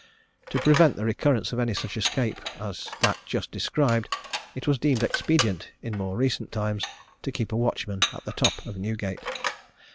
To prevent the recurrence of any such escape as that just described, it was deemed expedient, in more recent times, to keep a watchman at the top of Newgate.